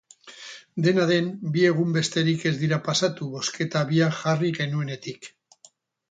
Dena den, bi egun besterik ez dira pasatu bozketa abian jarri genuenetik.